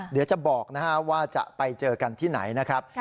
เดี๋ยวจะบอกว่าจะไปเจอกันที่ไหนนะครับ